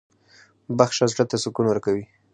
• بخښنه زړه ته سکون ورکوي.